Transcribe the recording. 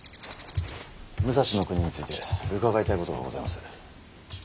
武蔵国について伺いたいことがございます。